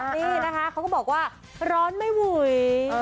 นี่นะคะเขาก็บอกว่าร้อนไม่หวย